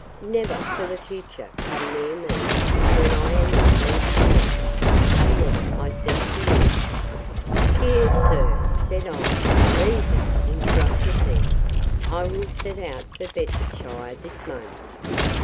—Never, for the future, come near me, when I am in these tumults, unless I send for you. Dear sir! said I—Leave me, interrupted he. I will set out for Bedfordshire this moment!